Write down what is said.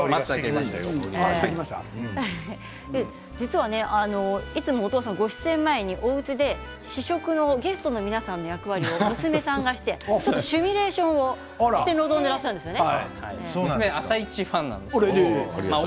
実は、いつも音羽さんご出演前におうちで試食をゲストの皆さんの役割を娘さんがしてシミュレーションをして臨んでいるんですよね。